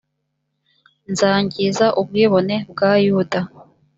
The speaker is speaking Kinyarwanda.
nzangiza ubwibone bwa yuda